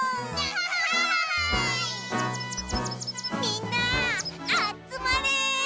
みんなあつまれ！